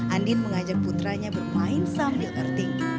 andin mengajak putranya bermain sambil earthing